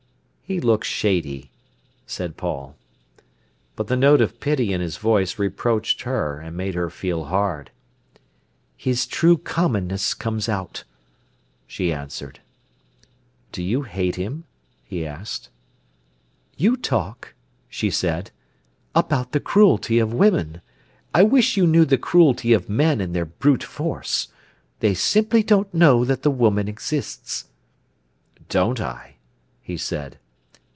"He looks shady," said Paul. But the note of pity in his voice reproached her, and made her feel hard. "His true commonness comes out," she answered. "Do you hate him?" he asked. "You talk," she said, "about the cruelty of women; I wish you knew the cruelty of men in their brute force. They simply don't know that the woman exists." "Don't I?" he said.